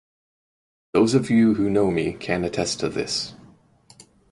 Those of you who know me can attest to this.